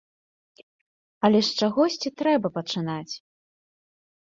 Але з чагосьці трэба пачынаць.